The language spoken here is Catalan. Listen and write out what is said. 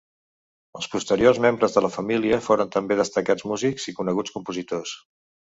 Els posteriors membres de la família foren també destacats músics i coneguts compositors.